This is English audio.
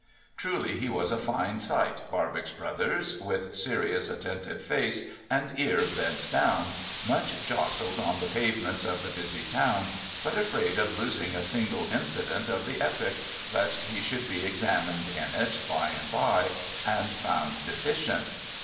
'J'ruly he was a fine sight, Barbox Brothers, with serious attentive face, and ear bent down, much jostled on the pavements of the busy town, but afraid of losing a single incident of the epic, lest he should be examined in it by and by, and found deficient.